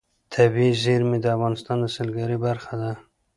طبیعي زیرمې د افغانستان د سیلګرۍ برخه ده.